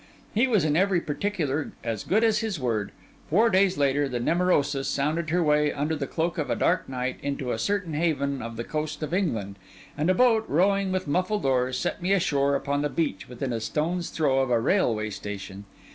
He was in every particular as good as his word. Four days later, the Nemorosa sounded her way, under the cloak of a dark night, into a certain haven of the coast of England; and a boat, rowing with muffled oars, set me ashore upon the beach within a stone's throw of a railway station.